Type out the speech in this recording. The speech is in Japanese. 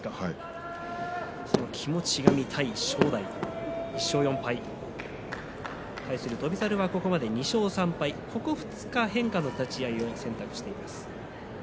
その気持ちが見たい正代１勝４敗。対する翔猿は２勝３敗、ここ２日変化の立ち合いを選択しています。